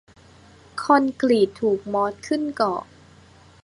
คอนกรีตถูกมอสขึ้นเกาะ